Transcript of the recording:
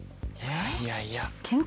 いやいや。